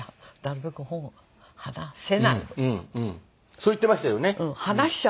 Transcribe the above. そう言ってましたよね。